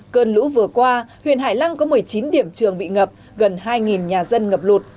cơn lũ vừa qua huyện hải lăng có một mươi chín điểm trường bị ngập gần hai nhà dân ngập lụt